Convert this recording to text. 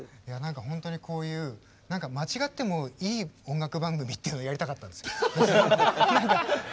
本当にこういう間違ってもいい音楽番組っていうのをやりたかったんですよ。